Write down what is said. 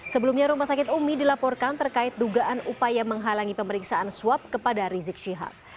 sebelumnya rumah sakit umi dilaporkan terkait dugaan upaya menghalangi pemeriksaan swab kepada rizik syihab